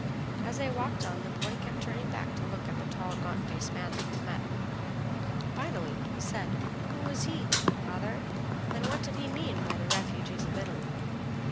As they walked on the boy kept turning back to look at the tall gaunt faced man they had met. Finally he said, "Who was he, father, and what did he mean by the refugees of Italy?"